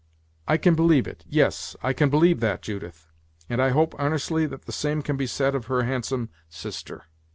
"I can believe it yes, I can believe that, Judith, and I hope 'arnestly that the same can be said of her handsome sister."